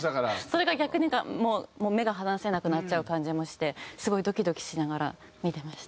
それが逆にもう目が離せなくなっちゃう感じもしてすごいドキドキしながら見てました。